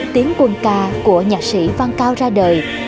tiến quân ca của nhạc sĩ văn cao ra đời